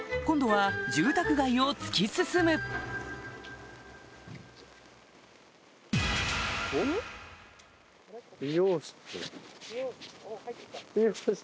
今度は住宅街を突き進む美容室。